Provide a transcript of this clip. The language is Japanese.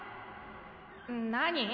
何？